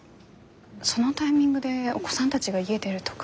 そのタイミングでお子さんたちが家出るとか。